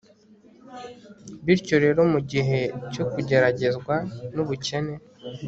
Bityo rero mu gihe cyo kugeragezwa nubukene